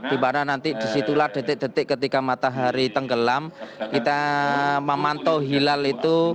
di mana nanti disitulah detik detik ketika matahari tenggelam kita memantau hilal itu